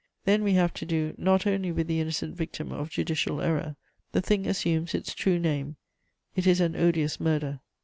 then we have to do not only with the innocent victim of judicial error; the thing assumes its true name: it is an odious murder."